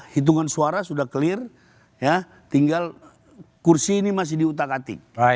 hitungan suara sudah clear tinggal kursi ini masih diutak atik